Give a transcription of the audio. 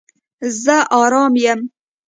زه آرام یم